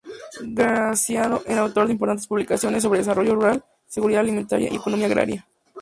Graziano es autor de importantes publicaciones sobre desarrollo rural, seguridad alimentaria y economía agraria.